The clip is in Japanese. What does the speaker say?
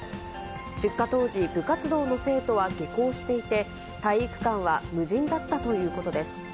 出火当時、部活動の生徒は下校していて、体育館は無人だったということです。